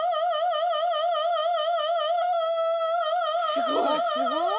すごい！